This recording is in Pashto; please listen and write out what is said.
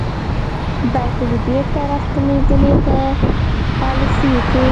بلکې د بیرته راستنېدنې په پالیسیو کې